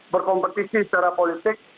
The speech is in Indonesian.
berkompetisi secara politik